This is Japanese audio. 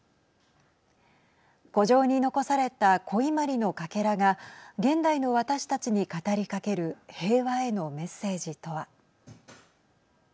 古城に残された古伊万里のかけらが現代の私たちに語りかける平和へのメッセージとは。